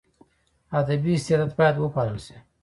ادبي استعداد باید وپالل سي.